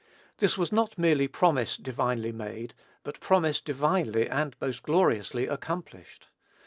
This was not merely promise divinely made, but promise divinely and most gloriously accomplished.